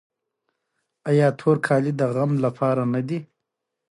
آیا تور کالي د غم لپاره نه دي؟